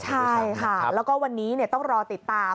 ใช่ค่ะแล้วก็วันนี้ต้องรอติดตาม